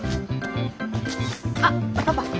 あっパパ。